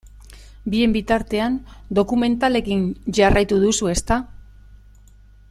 Bien bitartean dokumentalekin jarraitu duzu, ezta?